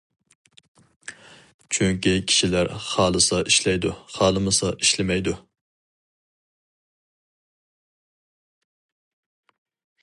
چۈنكى كىشىلەر خالىسا ئىشلەيدۇ، خالىمىسا ئىشلىمەيدۇ.